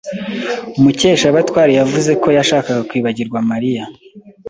Mukeshabatware yavuze ko yashakaga kwibagirwa Mariya.